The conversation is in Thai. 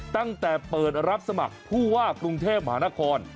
ตั้งแต่เปิดรับสมัครผู้ว่ากรุงเทพมหานคร